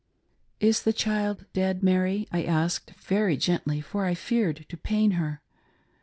" Is the child dead, Mary ?" I asked, very gently, for I feared to pain her.